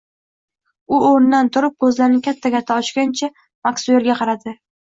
U o`rnidan turib, ko`zlarini katta-katta ochgancha Maksuelga qaradi